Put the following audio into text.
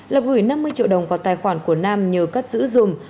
lập huyện năm mươi triệu đồng vào tài khoản của nam nhờ cắt giữ dùm